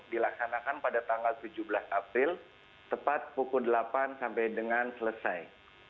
dilaksanakan pada tanggal tujuh belas april tepat pukul delapan sampai dengan selesai